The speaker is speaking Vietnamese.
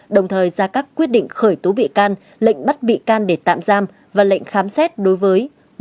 đồng thời ra các quyết định khởi tố bị can lệnh bắt bị can để tạm giam và lệnh khám xét đối với